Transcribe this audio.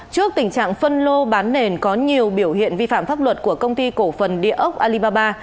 trước tình trạng phân lô bán nền có nhiều biểu hiện vi phạm pháp luật của công ty cổ phần địa ốc alibaba